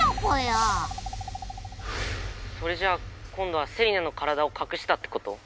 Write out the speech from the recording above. それじゃあ今度はセリナの体をかくしたってこと⁉